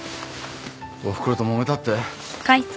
おふくろともめたって？